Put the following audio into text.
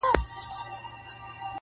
یوه توره تاریکه ورښکارېدله-